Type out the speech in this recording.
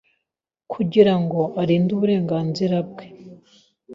Kugirango arinde uburenganzira bwe